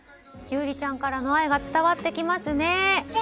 侑里ちゃんからの愛が伝わってきますね。